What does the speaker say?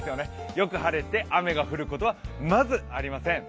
よく晴れて、雨が降ることはまずありません。